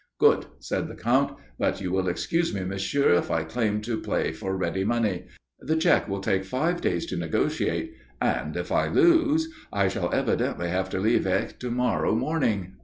"Good," said the Count. "But you will excuse me, monsieur, if I claim to play for ready money. The cheque will take five days to negotiate and if I lose, I shall evidently have to leave Aix to morrow morning."